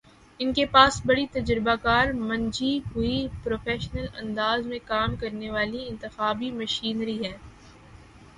ان کے پاس بڑی تجربہ کار، منجھی ہوئی، پروفیشنل انداز میں کام کرنے والی انتخابی مشینری ہے۔